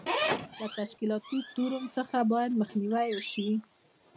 له تشکیلاتي تورم څخه باید مخنیوی وشي.